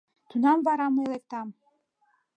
Тунам вара мый лектам.